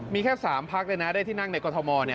มีแค่๓พักเลยนะได้ที่นั่งในกรทม